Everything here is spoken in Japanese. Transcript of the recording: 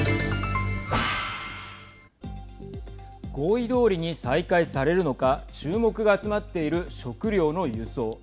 合意どおりに再開されるのか注目が集まっている食料の輸送。